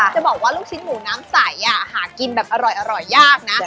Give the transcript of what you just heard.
จะบอกว่าลูกชิ้นหมูน้ำใสหากินแบบอร่อยยากนะ